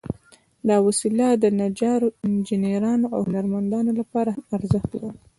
دا وسيله د نجارو، انجینرانو، او هنرمندانو لپاره هم ارزښت لري.